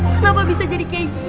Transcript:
kenapa bisa jadi kayak gini